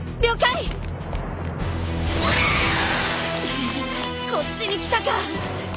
ぐっこっちに来たか！